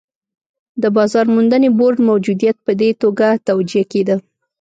د بازار موندنې بورډ موجودیت په دې توګه توجیه کېده.